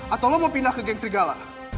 atau lo mau pindah ke geng serigala